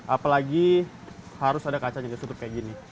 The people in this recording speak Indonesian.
apalagi harus ada kacanya harus tutup kayak gini